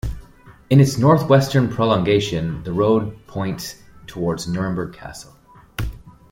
In its northwestern prolongation the road points towards Nuremberg Castle.